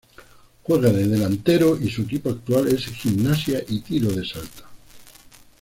Juega de delantero y su equipo actual es Gimnasia y Tiro de Salta.